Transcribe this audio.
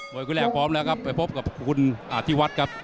วยคู่แรกพร้อมแล้วครับไปพบกับคุณอธิวัฒน์ครับ